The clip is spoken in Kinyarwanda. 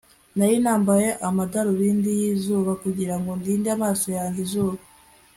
nari nambaye amadarubindi y'izuba kugirango ndinde amaso yanjye izuba